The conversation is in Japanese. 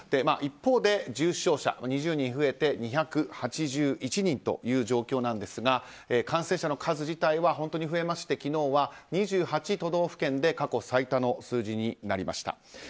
一方で重症者、２０人増えて２８１人という状況なんですが感染者の数自体は本当に増えまして昨日は２８都道府県で過去最多の数字になりました。